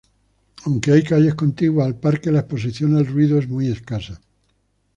Aunque hay calles contiguas al parque, la exposición al ruido es muy escasa.